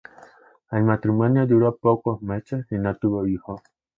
El matrimonio duró pocos meses y no tuvo hijos.